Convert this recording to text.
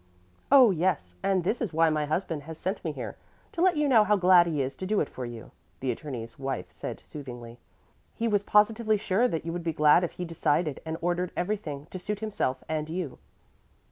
"Oh, yes, and this is why my husband has sent me here, to let you know how glad he is to do it for you," the attorney's wife said soothingly. "He was positively sure that you would be glad if he decided and ordered everything to suit himself and you."